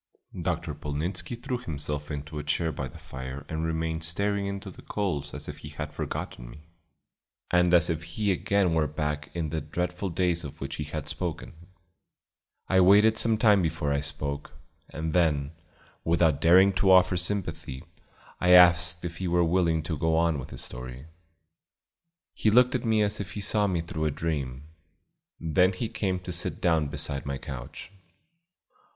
Dr. Polnitzski threw himself into a chair by the fire and remained staring into the coals as if he had forgotten me, and as if he again were back in the dreadful days of which he had spoken. I waited some time before I spoke, and then, without daring to offer sympathy, I asked if he were willing to go on with his story. He looked at me as if he saw me through a dream; then he came to sit down beside my couch.